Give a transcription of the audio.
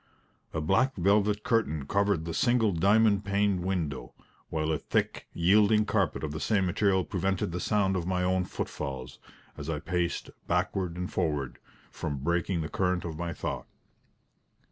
A black velvet curtain covered the single diamond paned window; while a thick, yielding carpet of the same material prevented the sound of my own footfalls, as I paced backward and forward, from breaking the current of my thought.